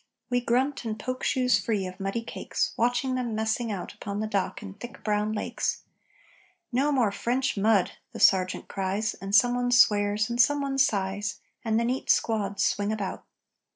We grunt and poke shoes free of muddy cakes, Watching them messing out Upon the dock in thick brown lakes "No more French mud!" the sergeant cries, And someone swears, and someone sighs, And the neat squads swing about.